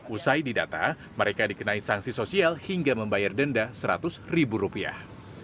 usai didata mereka dikenai sanksi sosial hingga membayar denda seratus ribu rupiah